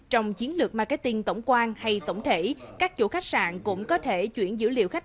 trong chiến lược marketing tổng quan hay tổng thể các chủ khách sạn cũng có thể chuyển dữ liệu khách